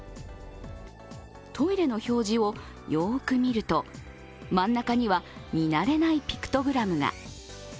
トイレの表示をよく見ると真ん中には見慣れないピクトグラムが。